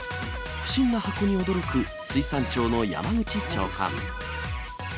不審な箱に驚く、水産庁の山口長官。